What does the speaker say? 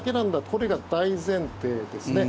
これが大前提ですね。